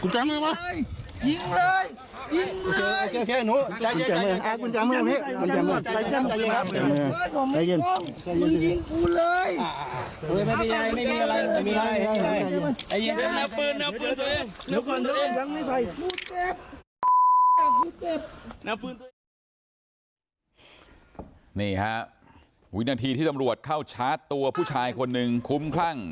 นี่ฮะวินาทีที่ตำรวจเข้าชาร์จตัวผู้ชายคนหนึ่งคุ้มคลั่ง